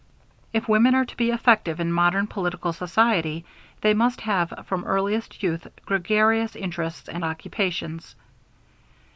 If women are to be effective in modern political society, they must have from earliest youth gregarious interests and occupations.